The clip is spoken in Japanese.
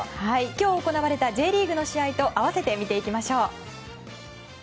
今日行われたＪリーグの試合と合わせて見ていきましょう。